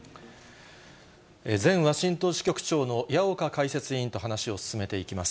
前ワシントン支局長の矢岡解説委員と話を進めていきます。